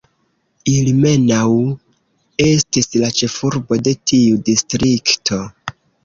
Ilmenau estis la ĉefurbo de tiu distrikto.